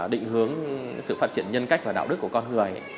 định hướng sự phát triển nhân cách và đạo đức của con người